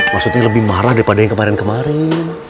maksudnya lebih marah daripada yang kemarin kemarin